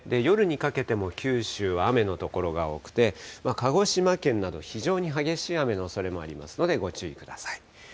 夜にかけても、九州は雨の所が多くて、鹿児島県など、非常に激しい雨のおそれもありますので、ご注意ください。